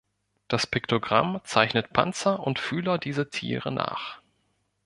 Das Piktogramm zeichnet Panzer und Fühler dieser Tiere nach.